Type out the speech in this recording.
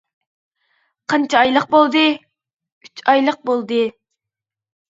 -قانچە ئايلىق بولدى؟ -ئۈچ ئايلىق بولدى.